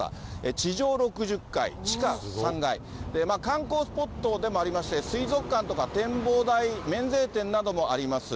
地上６０階、地下３階、観光スポットでもありまして、水族館とか展望台、免税店などもあります。